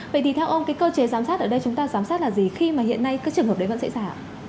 vậy thì theo ông cái cơ chế giám sát ở đây chúng ta giám sát là gì khi mà hiện nay cái trường hợp đấy vẫn sẽ giả